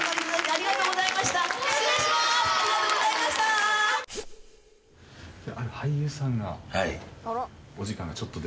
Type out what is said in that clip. ありがとうございましたいや